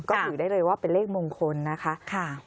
ก็ถือได้เลยว่าเป็นเลขมงคลนะคะ